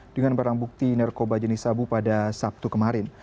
dengan barang bukti narkoba jenis sabu pada sabtu kemarin